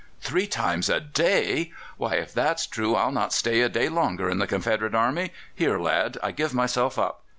"Three times a day! Why, if that's true I'll not stay a day longer in the Confederate Army. Here, lad, I give myself up."